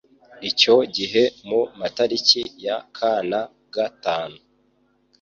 Icyo gihe mu matariki ya kana-gatanu